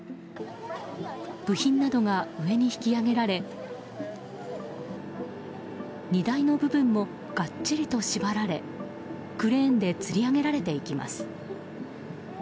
部品などが上に引き上げられ荷台の部分もがっちりと縛られクレーンでつり上げられていきます。